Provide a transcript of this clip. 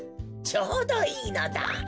ちょうどいいのだ。